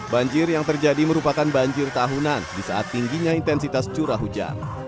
banjir yang terjadi merupakan banjir tahunan di saat tingginya intensitas curah hujan